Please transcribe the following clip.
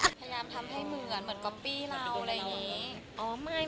พยายามทำให้เหมือนเหมือนก๊อปปี้เราอะไรอย่างนี้